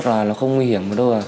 thuốc là không nguy hiểm